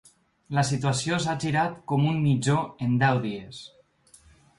La situació s’ha girat com un mitjó en deu dies.